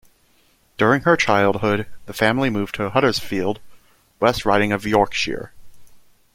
During her childhood the family moved to Huddersfield, West Riding of Yorkshire.